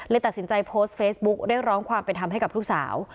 ตัดสินใจโพสต์เฟซบุ๊กเรียกร้องความเป็นธรรมให้กับลูกสาว